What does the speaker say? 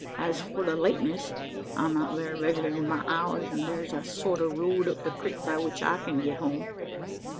As for the lateness, I'm not very reg'lar in my hours; an' thar's a sort o' road up the crik by which I can get home.